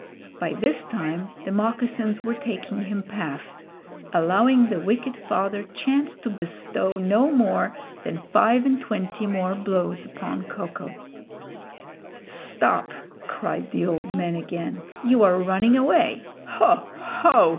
By this time the moccasins were taking him past, allowing the wicked father chance to bestow no more than five and twenty more blows upon Ko ko. "Stop!" cried the old man again. "You are running away. Ho! ho!